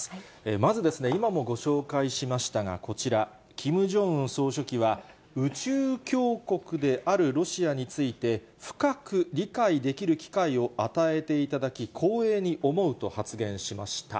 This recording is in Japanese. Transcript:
まず今もご紹介しましたが、こちら、キム・ジョンウン総書記は、宇宙強国であるロシアについて、深く理解できる機会を与えていただき、光栄に思うと発言しました。